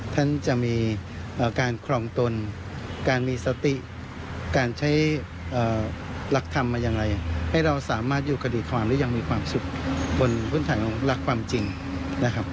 ท่านจะมีการครองตนการมีสติการใช้หลักธรรมมาอย่างไรให้เราสามารถอยู่คดีความหรือยังมีความสุขบนพื้นฐานของรักความจริงนะครับ